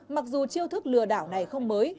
mặc dù chiêu thức lừa đảo này không mới